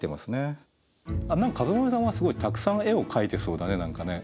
かずまめさんはすごいたくさん絵を描いてそうだね何かね。